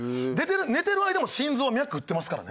寝てる間も心臓は脈打ってますからね。